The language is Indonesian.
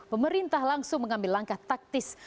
pemerintah langsung mengambil langkah taktis